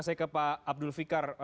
saya ke pak abdul fikar